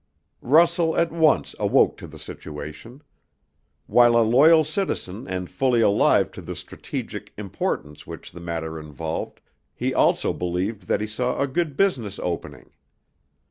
Russell at once awoke to the situation. While a loyal citizen and fully alive to the strategic importance which the matter involved, he also believed that he saw a good business opening.